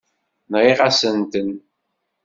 Nɣiɣ-asent-ten.